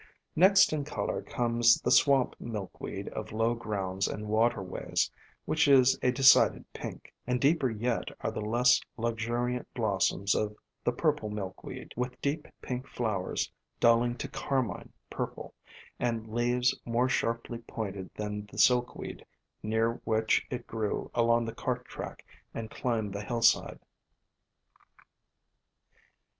Next in color comes the Swamp Milkweed of low grounds and waterways, which is a decided pink; and deeper yet are the less luxuriant blossoms of the Purple Milkweed, with deep pink flowers dull ing to carmine purple, and leaves more sharply pointed than the Silkweed near which it grew along the cart track and climbed the hillside.